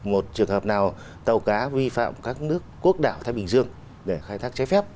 một trường hợp nào tàu cá vi phạm các nước quốc đảo thái bình dương để khai thác trái phép